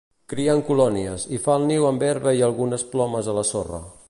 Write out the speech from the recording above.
Cria en colònies i fa el niu amb herba i algunes plomes a la sorra.